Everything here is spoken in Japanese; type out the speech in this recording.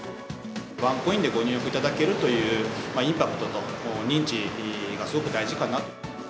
ワンコインでご入浴いただけるというインパクトと、認知がすごく大事かなと。